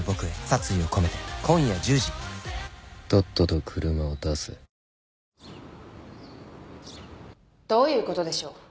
どういうことでしょう。